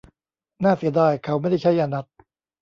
น่าเสียดายเขาไม่ได้ใช้ยานัตถ์